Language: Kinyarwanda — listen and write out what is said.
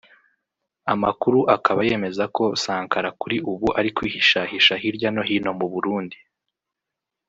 Amakuru akaba yemeza ko Sankara kuri ubu ari kwihishahisha hirya no hino mu Burundi